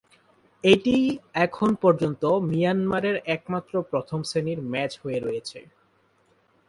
এটিই এখন পর্যন্ত মিয়ানমারের একমাত্র প্রথম শ্রেণীর ম্যাচ হয়ে রয়েছে।